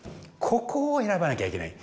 ここを選ばなきゃいけない。